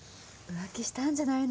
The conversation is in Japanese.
浮気したんじゃないの？